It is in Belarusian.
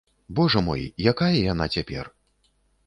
Божа мой, якая яна цяпер?